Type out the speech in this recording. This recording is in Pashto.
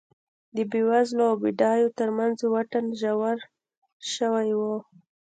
د بېوزلو او بډایو ترمنځ واټن ژور شوی و